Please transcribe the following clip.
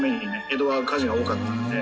江戸は火事が多かったので。